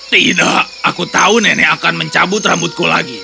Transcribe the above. tidak aku tahu nenek akan mencabut rambutku lagi